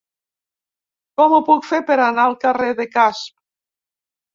Com ho puc fer per anar al carrer de Casp?